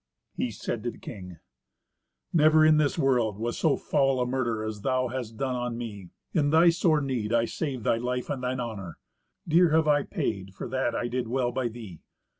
He said to the king, "Never in this world was so foul a murder as thou hast done on me. In thy sore need I saved thy life and thine honour. Dear have I paid for that I did well by thee."